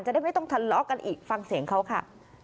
ได้ไม่ต้องทะเลาะกันอีกฟังเสียงเขาค่ะ